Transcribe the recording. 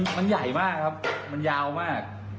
มันใหญ่มากครับมันยาวมาก